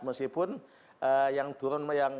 meskipun yang turun payung